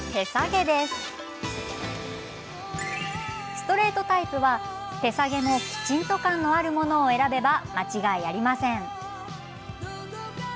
ストレートタイプは、手提げもきちんと感のあるものを選べば間違いありません。